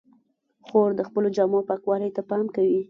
خور د خپلو جامو پاکوالي ته پام کوي.